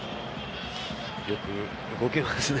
よく動けますね。